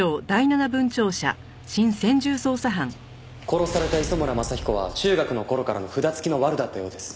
殺された磯村正彦は中学の頃からの札付きのワルだったようです。